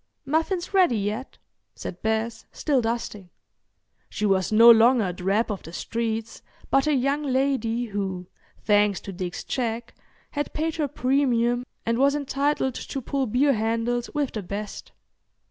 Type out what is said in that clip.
"Muffins ready yet?" said Bess, still dusting. She was no longer a drab of the streets but a young lady who, thanks to Dick's check, had paid her premium and was entitled to pull beer handles with the best.